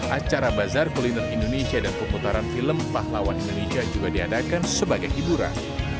acara bazar kuliner indonesia dan pemutaran film pahlawan indonesia juga diadakan sebagai hiburan